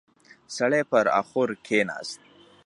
سړی پر اخور کېناست.